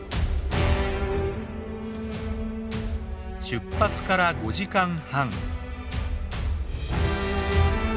出発から５時間半。